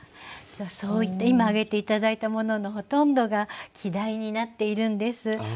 そういった今挙げて頂いたもののほとんどが季題になっているんです。